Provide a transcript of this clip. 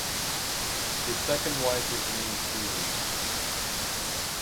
His second wife is named Suzie.